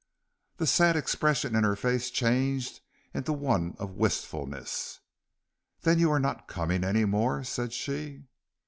The sad expression in her face changed into one of wistfulness. "Then you are not coming any more?" said she.